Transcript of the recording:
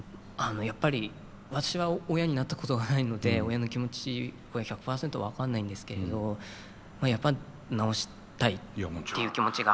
やっぱり私は親になったことがないので親の気持ちは１００％分かんないんですけれどやっぱ治したいっていう気持ちがあって。